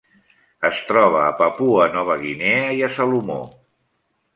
Es troba a Papua Nova Guinea i a Salomó.